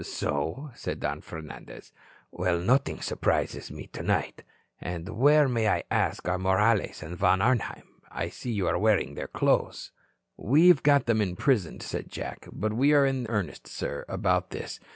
"So?" said Don Fernandez. "Well, nothing surprises me tonight. And where, may I ask, are Morales and Von Arnheim? I see you are wearing their clothes." "We have got them imprisoned," said Jack. "But we are in earnest, sir, about this.